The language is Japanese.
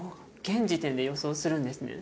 現時点で予想するんですね？